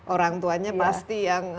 orang tuanya pasti yang